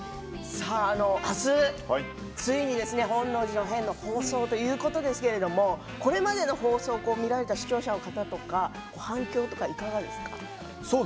明日ついに本能寺の変の放送ということでこれまでの放送を見られて見られた視聴者の方とか反響とかいかがですか。